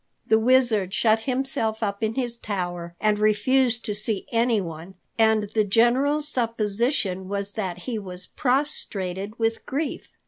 The Wizard shut himself up in his tower and refused to see anyone, and the general supposition was that he was prostrated with grief.